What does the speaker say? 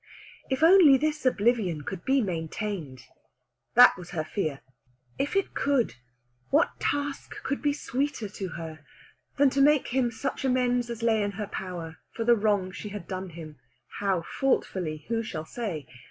If only this oblivion could be maintained! that was her fear. If it could, what task could be sweeter to her than to make him such amends as lay in her power for the wrong she had done him how faultfully, who shall say?